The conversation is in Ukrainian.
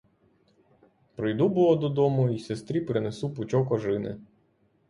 Прийду було додому й сестрі принесу пучок ожини.